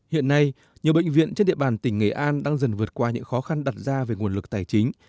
hiện nay nhiều bệnh viện trên địa bàn tỉnh nghệ an đang dần vượt qua những khó khăn đặt ra về nguồn lực tài chính